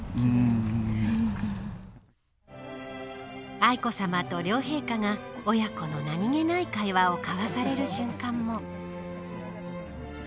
愛子さまと両陛下が親子の何気ない会話を交わされる瞬間も。